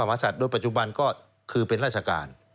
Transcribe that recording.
มหาศัตว์โดยปัจจุบันก็คือเป็นราชการ